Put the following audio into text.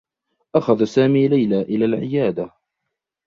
أخذ سامي ليلى إلى العيادة.